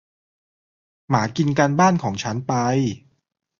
หมากินการบ้านของฉันไป